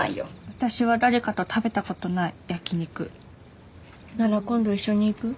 私は誰かと食べたことない焼き肉なら今度一緒に行く？